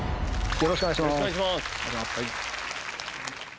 よろしくお願いします。